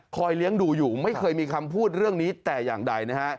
เลี้ยงดูอยู่ไม่เคยมีคำพูดเรื่องนี้แต่อย่างใดนะฮะ